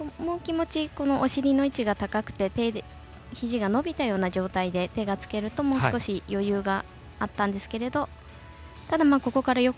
気持ちお尻の位置が高くてひじが伸びたような状態で手をつけると余裕があったんですけど。